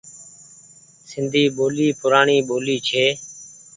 سندي ٻولي پوڙآڻي ٻولي ڇي۔